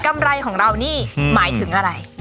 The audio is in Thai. ไรของเรานี่หมายถึงอะไร